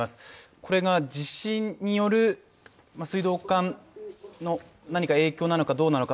これが地震による水道管の何か影響なのかどうなのか